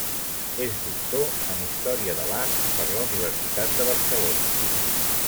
És doctor en Història de l'Art per la Universitat de Barcelona.